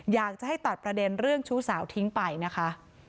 อยากจะให้ตัดประเด็นเรื่องชู้สาวทิ้งไปนะคะ